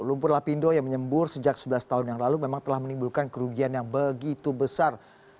lumpur lapindo yang menyembur sejak sebelas tahun yang lalu memang telah menimbulkan kerugian yang begitu besar